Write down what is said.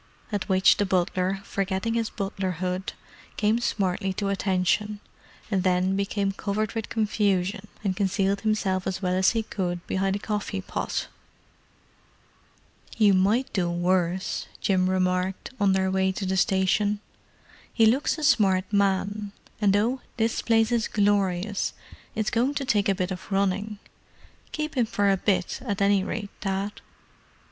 At which the butler, forgetting his butlerhood, came smartly to attention—and then became covered with confusion and concealed himself as well as he could behind a coffee pot. "You might do much worse," Jim remarked, on their way to the station. "He looks a smart man—and though this place is glorious, it's going to take a bit of running. Keep him for a bit, at any rate, Dad."